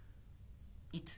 いつ？